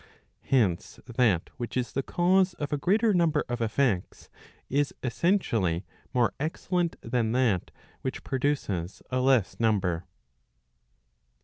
Hence, that which is the cause of a greater number of effects, is essentially more excellent than that which produces a less number.